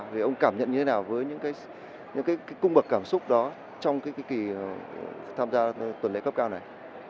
vậy ông cảm nhận như thế nào với những cung bậc cảm xúc đó trong kỳ tham gia tuần lễ cấp cao này